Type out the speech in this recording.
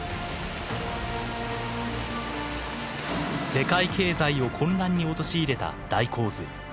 世界経済を混乱に陥れた大洪水。